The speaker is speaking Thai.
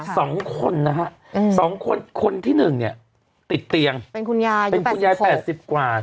สองคนนะฮะอืมสองคนคนที่หนึ่งเนี่ยติดเตียงเป็นคุณยายเป็นคุณยายแปดสิบกว่า